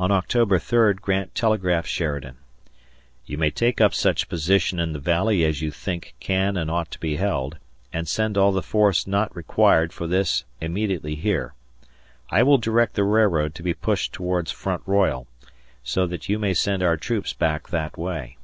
On October 3 Grant telegraphed Sheridan: You may take up such position in the Valley as you think can and ought to be held, and send all the force not required for this immediately here. I will direct the Railroad to be pushed towards Front Royal, so that you may send our troops back that way.